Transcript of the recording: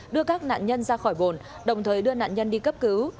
đưa các nạn nhân ra khỏi bồn đồng thời đưa nạn nhân đi cấp cứu